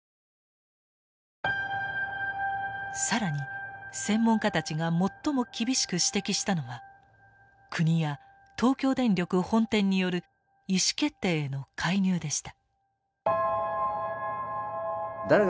更に専門家たちが最も厳しく指摘したのは国や東京電力本店による意思決定への介入でした。